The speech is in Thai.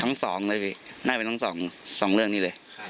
ทั้งสองเลยพี่น่าจะเป็นทั้งสองสองเรื่องนี้เลย